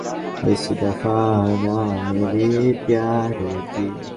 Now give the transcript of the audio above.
বিহারী কহিল, বিনোদিনী কলিকাতায় আছে।